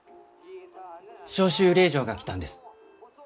召集令状が来たんです。